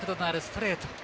角度のあるストレート。